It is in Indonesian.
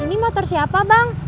ini motor saudara abang